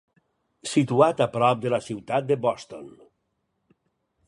Situat a prop de la ciutat de Boston.